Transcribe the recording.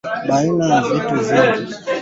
Bana muvamia mpango yake ya kisote